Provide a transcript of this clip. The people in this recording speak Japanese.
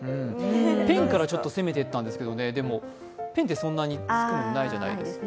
ペンから攻めていったんですけどね、でも、ペンってそんなにないじゃないですか。